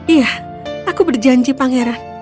iya aku berjanji pangeran